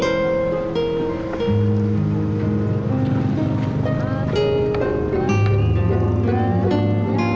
jangan bengong aja sama sambit nih